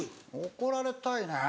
怒られたいね。